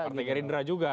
partai gerindra juga